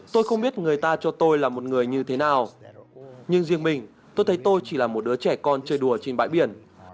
tôi không biết người ta cho tôi là một người như thế nào nhưng riêng mình tôi thấy tôi chỉ là một đứa trẻ con chơi đùa trên bãi biển